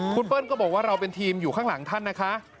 คุณเปิ้ลก็บอกว่าเราเป็นทีมอยู่ข้างหลังท่านนะคะ